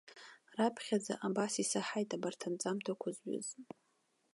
Раԥхьаӡа абас исаҳаит абарҭ анҵамтақәа зҩыз.